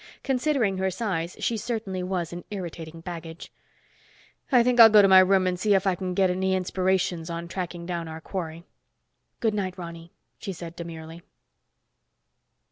Considering her size, she certainly was an irritating baggage. "I think I'll go to my room and see if I can get any inspirations on tracking down our quarry." "Good night, Ronny," she said demurely.